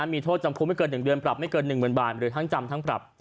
มีโทษจำคุกไม่เกิน๑เดือนปรับไม่เกิน๑๐๐๐บาทหรือทั้งจำทั้งปรับ